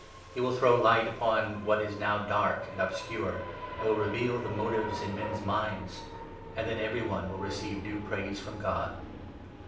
He will throw light upon what is now dark and obscure, and will reveal the motives in men's minds ; and then every one will receive due praise from God.